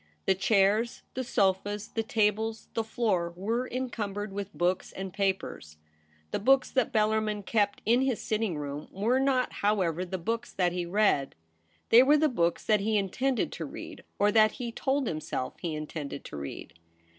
The chairs, the sofas, the tables, the floor were encumbered with books and papers. The books that Bellarmin kept in his sitting room were not, however, the books that he read. They were the books that he intended to read, or that he told himself he intended to read.